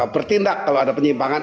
bertindak kalau ada penyimbangan